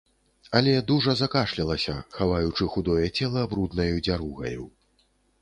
Але дужа закашлялася, хаваючы худое цела бруднаю дзяругаю.